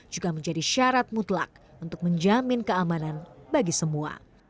juga menjadi syarat mutlak untuk menjamin keamanan bagi semua